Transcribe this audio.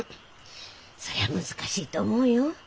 そりゃ難しいと思うよ。